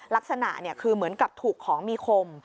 ลักษณะคือเหมือนกับถูกของมีคม